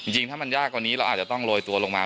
จริงถ้ามันยากกว่านี้เราอาจจะต้องโรยตัวลงมา